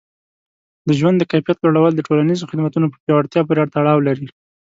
د ژوند د کیفیت لوړول د ټولنیزو خدمتونو په پیاوړتیا پورې تړاو لري.